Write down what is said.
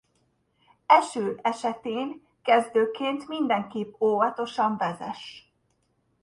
Eső esetén kezdőként mindenképp óvatosan vezess!